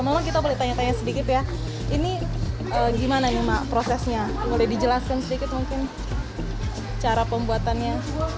mama kita boleh tanya tanya sedikit ya ini gimana nih mak prosesnya boleh dijelaskan sedikit mungkin cara pembuatannya